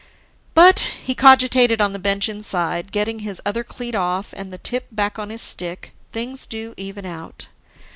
But, he cogitated on the bench inside, getting his other cleat off and the tip back on his stick, things do even out.